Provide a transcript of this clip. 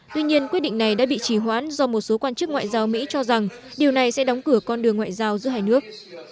tuy nhiên quyết định này đã bị trì hoãn do một số quan chức ngoại giao mỹ cho rằng điều này sẽ đóng cửa con đường ngoại giao giữa hai nước